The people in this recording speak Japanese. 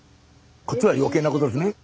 こっちは余計なことですね。